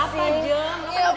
buat apa jom